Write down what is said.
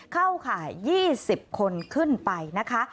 เข้าข่าย๒๐คนขึ้นไปนะคะ